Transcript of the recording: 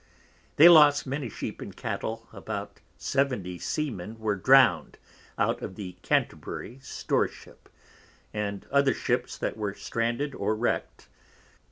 They lost many Sheep and Cattle. About 70 Seamen were drown'd out of the Canterbury Storeship, and other Ships that were Stranded or Wreck'd.